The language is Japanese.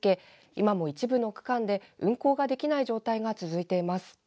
今も一部の区間で運行ができない状態が続いています。